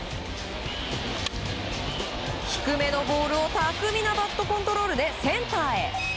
低めのボールを巧みなバットコントロールでセンターへ。